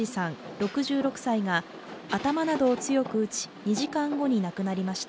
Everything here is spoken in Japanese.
６６歳が頭などを強く打ち、２時間後に亡くなりました。